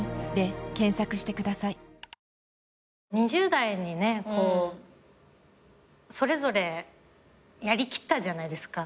２０代にねそれぞれやり切ったじゃないですか。